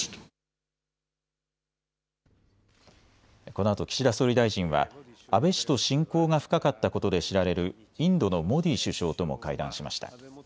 このあと岸田総理大臣は安倍氏と親交が深かったことで知られるインドのモディ首相とも会談しました。